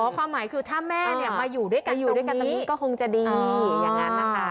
ความหมายคือถ้าแม่มาอยู่ด้วยกันอยู่ด้วยกันตอนนี้ก็คงจะดีอย่างนั้นนะคะ